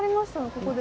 ここで。